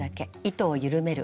糸を緩める。